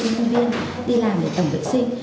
các giáo viên đi làm để tổng vệ sinh